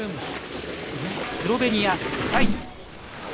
スロベニア、ザイツ。